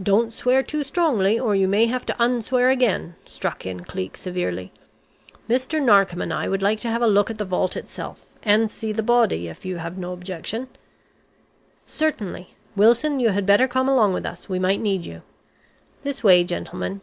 "Don't swear too strongly, or you may have to 'un swear' again," struck in Cleek, severely. "Mr. Narkom and I would like to have a look at the vault itself, and see the body, if you have no objection." "Certainly. Wilson, you had better come along with us, we might need you. This way, gentlemen."